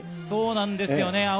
そうなんですよね。